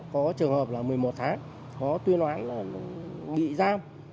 có trường hợp là một mươi một tháng có tuyên oán bị giam